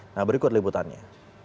nah berikut liputannya